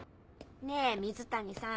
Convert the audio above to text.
ねぇ水谷さん。